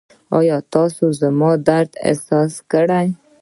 ایا تاسو زما درد احساس کړ؟